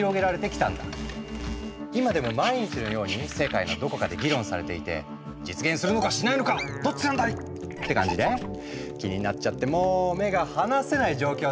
今でも毎日のように世界のどこかで議論されていて「実現するのかしないのかどっちなんだい！」って感じで気になっちゃってもう目が離せない状況なんだ。